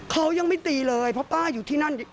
เขายังไม่ตีเลยเพราะป้าอยู่ที่นั่น